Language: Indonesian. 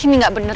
ini gak bener